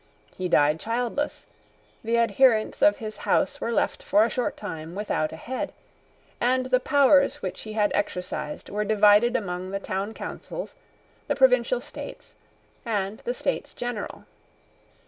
He died childless: the adherents of his house were left for a short time without a head; and the powers which he had exercised were divided among the Town Councils, the Provincial States, and the States General.